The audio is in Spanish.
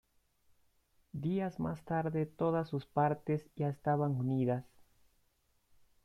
Días más tarde todas sus partes ya estaban unidas.